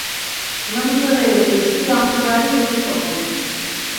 ლჷმზრე̄ვ ხიშდ ი ამჩუ ა̈რი როსტომ.